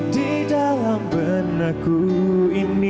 di dalam benakku ini